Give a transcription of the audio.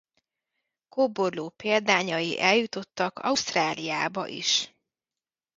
Kóborló példányai eljutottak Ausztráliába is.